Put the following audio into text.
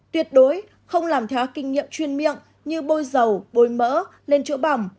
tuyệt đối không làm theo kinh nghiệm chuyên miệng như bôi dầu bôi mỡ lên chỗ bỏng